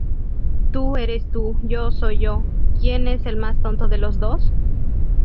Tú eres tú, yo soy yo, ¿quién es el más tonto de los dos?